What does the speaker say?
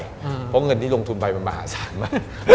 เพราะเงินที่ลงทุนไปมันมหาศาลมาก